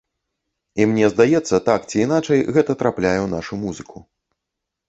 І мне здаецца, так ці іначай гэта трапляе ў нашу музыку.